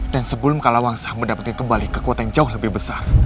sebelum kalawangsa mendapatkan kembali kekuatan yang jauh lebih besar